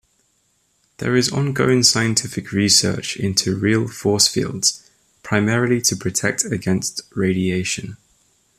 There is ongoing scientific research into real force fields, primarily to protect against radiation.